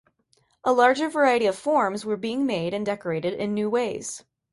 A larger variety of forms were being made and decorated in new ways.